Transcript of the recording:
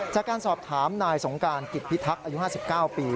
จากการสอบถามนายสงการกิจพิทักษ์อายุ๕๙ปี